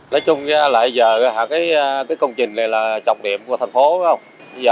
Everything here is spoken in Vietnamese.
lấy chung là giờ cái công trình này là trọng điểm của thành phố